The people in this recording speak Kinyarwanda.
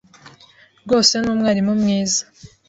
rwose ni umwarimu mwiza.